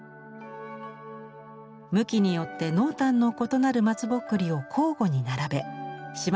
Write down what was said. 向きによって濃淡の異なるまつぼっくりを交互に並べしま